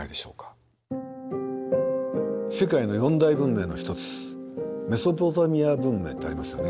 世界の４大文明の一つメソポタミア文明ってありますよね。